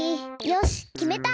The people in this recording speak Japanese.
よしきめた！